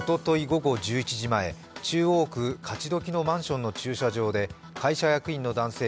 午後１１時前、中央区・勝どきのマンションの駐車場で会社役員の男性